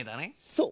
そう！